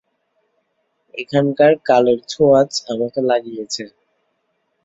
এখনকার কালের ছোঁয়াচ আমাকে লাগিয়াছে।